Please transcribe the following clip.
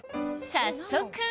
早速！